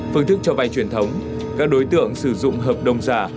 phương thức cho vay truyền thống các đối tượng sử dụng hợp đồng giả